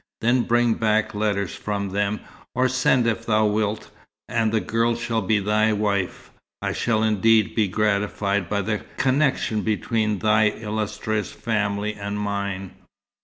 Then bring back letters from them, or send if thou wilt, and the girl shall be thy wife. I shall indeed be gratified by the connection between thine illustrious family and mine."